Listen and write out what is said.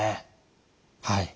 はい。